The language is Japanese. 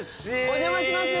お邪魔します。